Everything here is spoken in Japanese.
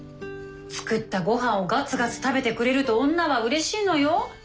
作ったごはんをガツガツ食べてくれると女はうれしいのよ。